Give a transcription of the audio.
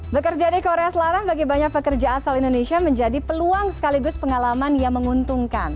bekerja di korea selatan bagi banyak pekerja asal indonesia menjadi peluang sekaligus pengalaman yang menguntungkan